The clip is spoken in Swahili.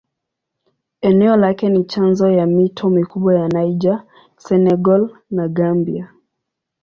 Eneo lake ni chanzo ya mito mikubwa ya Niger, Senegal na Gambia.